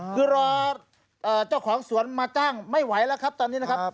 คือรอเจ้าของสวนมาจ้างไม่ไหวแล้วครับตอนนี้นะครับ